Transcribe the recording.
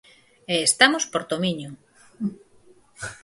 E estamos por Tomiño.